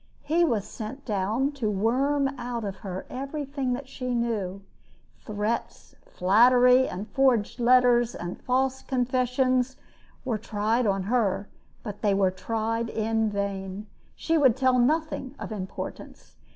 He was sent down to worm out of her everything that she knew. Threats and flattery and forged letters and false confessions were tried on her; but they were tried in vain. She would tell nothing of importance.